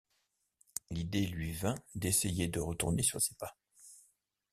L’idée lui vint d’essayer de retourner sur ses pas.